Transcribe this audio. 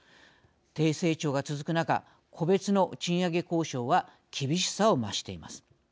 低成長が続く中個別の賃上げ交渉は厳しさを増しています。